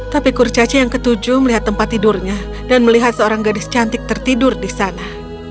tapi kurcaci yang ketujuh melihat tempat tidurnya dan melihat seorang gadis cantik tertidur di sana